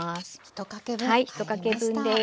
はい１かけ分です。